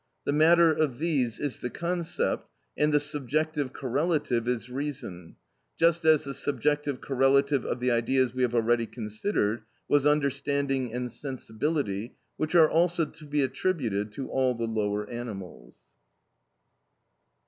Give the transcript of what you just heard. The matter of these is the concept, and the subjective correlative is reason, just as the subjective correlative of the ideas we have already considered was understanding and sensibility, which are also to be attributed to all the lower animals.